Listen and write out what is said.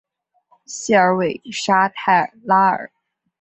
谢尔韦沙泰拉尔。